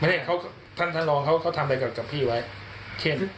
ไม่ได้ว่าท่านลองเกลียดเขาทำอะไรกับพี่ไว้เช่น